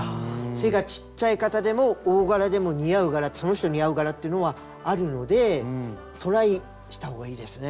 背がちっちゃい方でも大柄でも似合う柄その人に合う柄っていうのはあるのでトライしたほうがいいですね。